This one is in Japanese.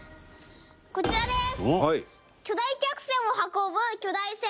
こちらです！